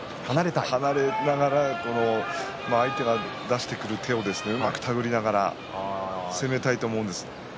離れながら相手が出してくる手をうまく手繰りながら攻めたいと思うんです。